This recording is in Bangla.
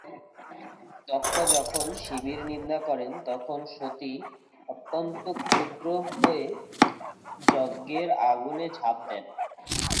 দক্ষ যখন শিবের নিন্দা করেন তখন সতী অত্যন্ত ক্রুদ্ধ হয়ে যজ্ঞের আগুনে ঝাঁপ দেন।